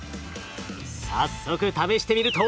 早速試してみると。